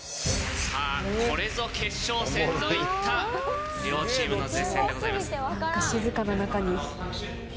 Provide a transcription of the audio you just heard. さぁこれぞ決勝戦といった両チームの接戦でございます。